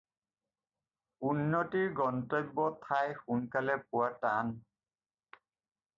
উন্নতিৰ গন্তব্য ঠাই সােনকালে পােৱা টান